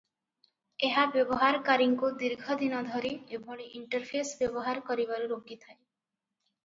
ଏହା ବ୍ୟବହାରକାରୀଙ୍କୁ ଦୀର୍ଘ ଦିନ ଧରି ଏଭଳି ଇଣ୍ଟରଫେସ ବ୍ୟବହାର କରିବାରୁ ରୋକିଥାଏ ।